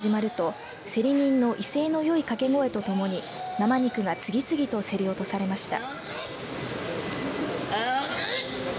午前２時に競りが始まると競り人の威勢のよい掛け声とともに生肉が次々と競り落とされました。